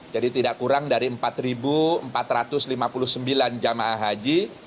jadi tidak kurang dari empat empat ratus lima puluh sembilan jemaah haji